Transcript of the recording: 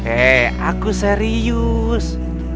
eh aku serius